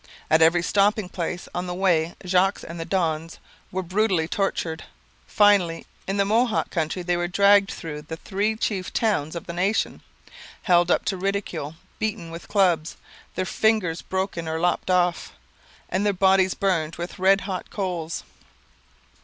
At every stopping place on the way Jogues and the donnes were brutally tortured; finally, in the Mohawk country they were dragged through the three chief towns of the nation, held up to ridicule, beaten with clubs, their fingers broken or lopped off, and their bodies burned with red hot coals.